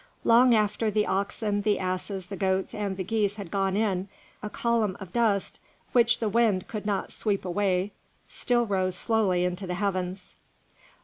Long after the oxen, the asses, the goats, and the geese had gone in, a column of dust which the wind could not sweep away still rose slowly into the heavens.